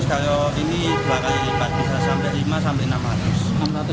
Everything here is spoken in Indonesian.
kalau ini berarti empat sampai lima sampai enam ratus